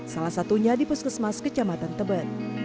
salah satunya di puskesmas kecamatan tebet